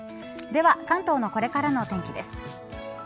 では関東のこれからのお天気です。